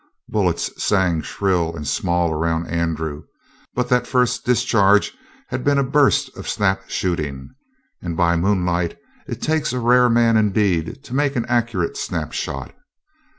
Bullets sang shrill and small around Andrew, but that first discharge had been a burst of snap shooting, and by moonlight it takes a rare man indeed to make an accurate snapshot.